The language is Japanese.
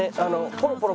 ポロポロ